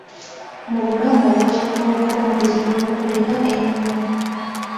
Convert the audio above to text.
Mu bulamu obw'ekivubuka omubiri we gukulira ennyo.